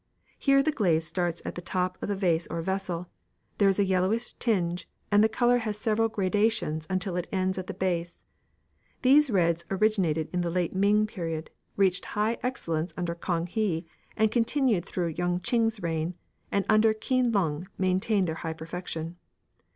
Here the glaze starts at the top of the vase or vessel; there is a yellowish tinge, and the colour has several gradations until it ends at the base. These reds originated in the late Ming period, reached high excellence under Kang he, and continued through Yung ching's reign, and under Keen lung maintained their high perfection.